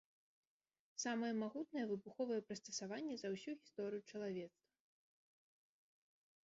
Самае магутнае выбуховае прыстасаванне за ўсю гісторыю чалавецтва.